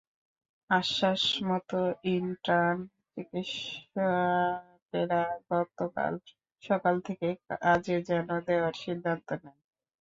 আশ্বাসমতো intern চিকিৎসকেরা গতকাল সকাল থেকে কাজে যোগ দেওয়ার সিদ্ধান্ত নেন।